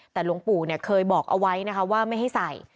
แต่หลวงปู่เคยบอกเอาไว้นะคะว่าไม่ให้ใส่